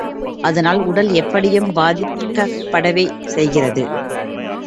அதனால் உடல் எப்படியும் பாதிக்கப்படவே செய்கிறது.